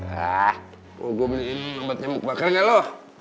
wah mau gue beliin lo mbak nyemuk bakar gak lo